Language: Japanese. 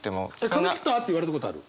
「髪切った？」って言われたことある？